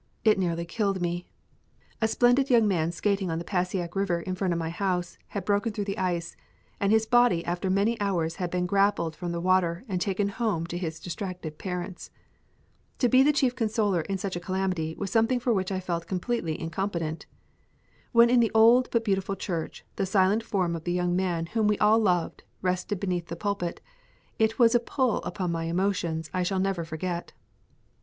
It nearly killed me. A splendid young man skating on the Passaic River in front of my house had broken through the ice, and his body after many hours had been grappled from the water and taken home to his distracted parents. To be the chief consoler in such a calamity was something for which I felt completely incompetent. When in the old but beautiful church the silent form of the young man whom we all loved rested beneath the pulpit, it was a pull upon my emotions I shall never forget.